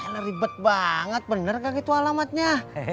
ya ribet banget bener gak gitu alamatnya